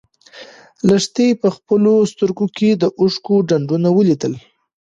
لښتې په خپلو سترګو کې د اوښکو ډنډول ولیدل.